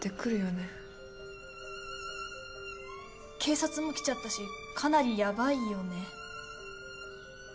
警察も来ちゃったしかなりヤバいよね。